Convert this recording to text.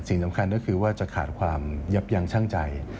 สิ่งสำคัญก็คือว่าจะขาดความยับยังช่างใจ